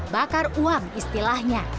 bakar uang istilahnya